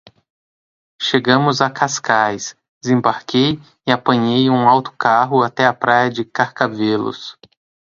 Chegámos a Cascais, desembarquei e apanhei um autocarro até à praia de Carcavelos.